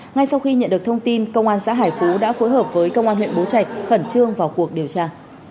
ngay sau khi nhận được thông tin công an xã hải phú đã phối hợp với công an huyện bố trạch khẩn trương vào cuộc điều tra